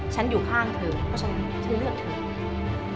ฉันอยู่ข้างเธอก็ฉันจะเลือกเธอ